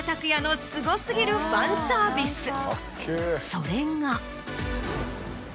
それが。